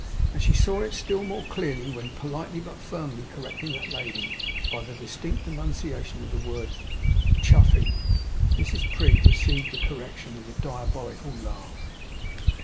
And she saw it still more clearly, when, politely but firmly correcting that lady by the distinct enunciation of the word 'Chuffey,' Mrs Prig received the correction with a diabolical laugh.